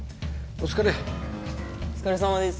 お疲れさまです。